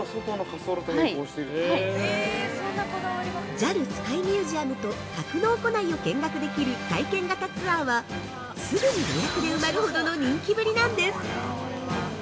◆ＪＡＬスカイミュージアムと格納庫内を見学できる体験型ツアーはすぐに予約で埋まるほどの人気ぶりなんです。